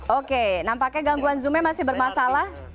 oke nampaknya gangguan zoom nya masih bermasalah